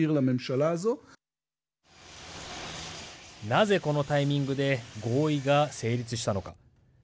なぜこのタイミングで合意が成立したのか。